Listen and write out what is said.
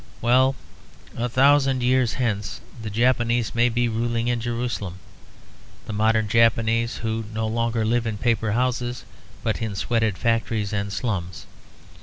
Well, a thousand years hence the Japs may be ruling in Jerusalem; the modern Japs who no longer live in paper houses, but in sweated factories and slums.